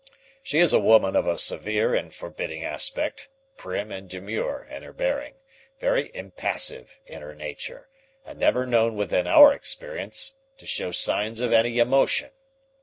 She is a woman of a severe and forbidding aspect, prim and demure in her bearing, very impassive in her nature, and never known within our experience to show signs of any emotion.